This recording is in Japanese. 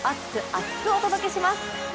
厚く！お届けします。